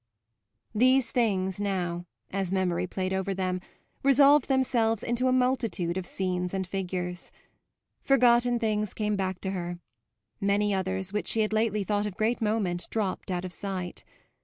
These things now, as memory played over them, resolved themselves into a multitude of scenes and figures. Forgotten things came back to her; many others, which she had lately thought of great moment, dropped out of sight.